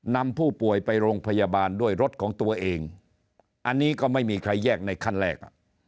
นำผู้ป่วยไปโรงพยาบาลด้วยรถของตัวเองอันนี้ก็ไม่มีใครแยกในขั้นแรก